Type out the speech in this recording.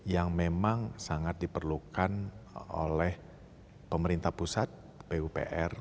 yang memang sangat diperlukan oleh pemerintah pusat pupr